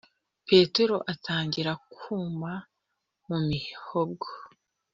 petero atangira kwuma mu mihogo.